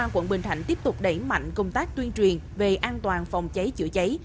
quận bình thạnh tiếp tục đẩy mạnh công tác tuyên truyền về an toàn phòng cháy chữa cháy